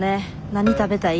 「何食べたい？」